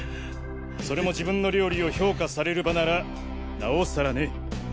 それも自分の料理を評価される場ならなおさらね。